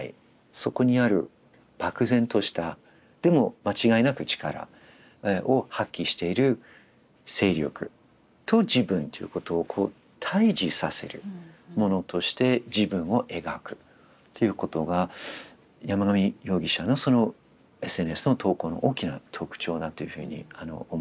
そこにある漠然としたでも間違いなく力を発揮している勢力と自分ということを対じさせるものとして自分を描くっていうことが山上容疑者のそのＳＮＳの投稿の大きな特徴だというふうに思いました。